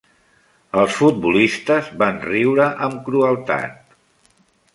Els futbolistes van riure amb crueltat.